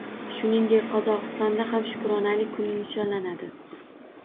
Shuningdek, Qozogʻistonda ham Shukronalik kuni nishonlanadi